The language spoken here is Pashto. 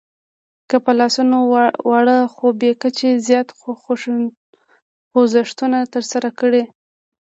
که په لاسونو واړه خو بې کچې زیات خوځښتونه ترسره کړئ